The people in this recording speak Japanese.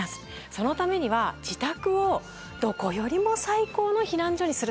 そのためには自宅をどこよりも最高の避難所にする。